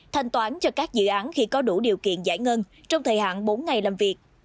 thanh toán cho các dự án khi có đủ điều kiện giải ngân trong thời hạn bốn ngày làm việc